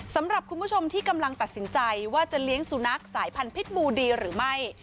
สำหรับคุณผู้ชมที่กำลังตัดสินใจว่าจะเลี้ยงสุนัขสายพันธุ์บูดีหรือไม่